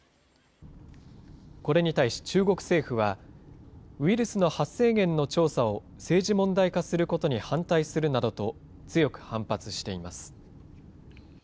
これに対し中国政府は、ウイルスの発生源の調査を政治問題化することに反対するなどと、強く反発しています。